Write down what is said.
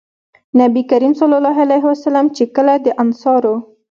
نبي کريم صلی الله عليه وسلم چې کله د انصارو